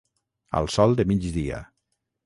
Al sol de migdia.